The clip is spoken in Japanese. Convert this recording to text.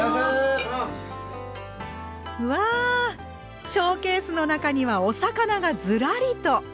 うわあショーケースの中にはお魚がずらりと。